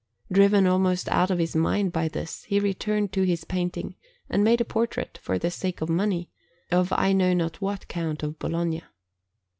Driven almost out of his mind by this, he returned to his painting, and made a portrait, for the sake of money, of I know not what Count of Bologna.